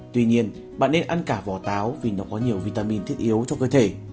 tuy nhiên bạn nên ăn cả vỏ táo vì nó có nhiều vitamin thiết yếu cho cơ thể